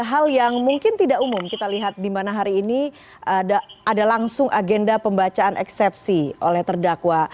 hal yang mungkin tidak umum kita lihat di mana hari ini ada langsung agenda pembacaan eksepsi oleh terdakwa